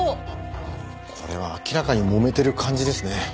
これは明らかにもめてる感じですね。